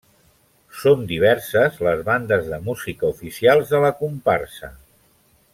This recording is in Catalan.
Són diverses les bandes de música oficials de la comparsa.